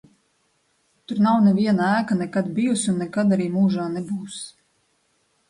Tur nav neviena ēka nekad bijusi un nekad arī mūžā nebūs.